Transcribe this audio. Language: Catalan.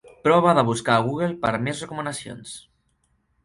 Prova de buscar al Google per a més recomanacions.